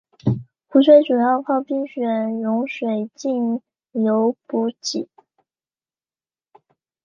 湖水主要靠冰雪融水径流补给。